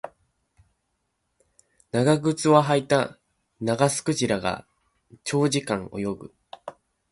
長靴を履いたナガスクジラが長時間泳ぐ